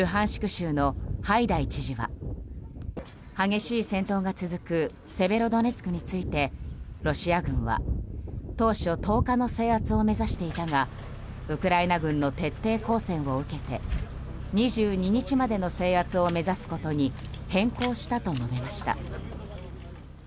州のハイダイ知事は激しい戦闘が続くセベロドネツクについてロシア軍は当初、１０日の制圧を目指していたがウクライナ軍の徹底抗戦を受けて２２日までの制圧を目指すことに変更したと述べました。